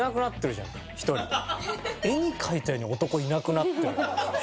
絵に描いたように男いなくなってる感じでしょ。